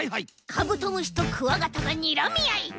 カブトムシとクワガタがにらみあい！